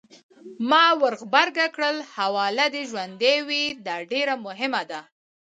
ما ورغبرګه کړل: حواله دې ژوندۍ وي! دا ډېره مهمه ده.